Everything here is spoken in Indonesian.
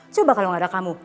coba kalau gak ada kamu